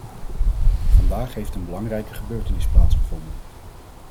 Vandaag heeft een belangrijke gebeurtenis plaatsgevonden.